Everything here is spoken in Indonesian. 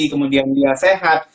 kemudian dia sehat